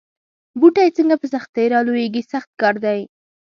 بوټی څنګه په سختۍ را لویېږي سخت کار دی.